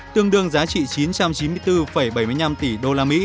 tương đương giá trị chín trăm chín mươi bốn bảy mươi năm tỷ usd